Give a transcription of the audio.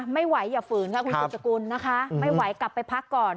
ไม่ไหวอย่าฝืนครับคุณสุจกรุณนะคะไม่ไหวกลับไปพักก่อน